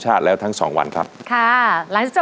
ผ่านยกที่สองไปได้นะครับคุณโอ